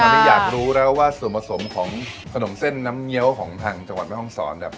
อันนี้อยากรู้แล้วว่าส่วนผสมของขนมเส้นน้ำเงี้ยวของทางจังหวัดแม่ห้องศรเนี่ย